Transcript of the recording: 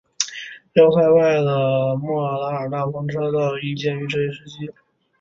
要塞外的莫卧尔大篷车道亦建于这一时期。